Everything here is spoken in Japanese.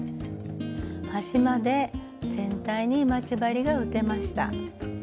端まで全体に待ち針が打てました。